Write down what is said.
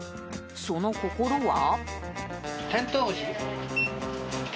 その心は？